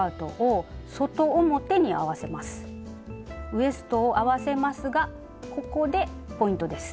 ウエストを合わせますがここでポイントです。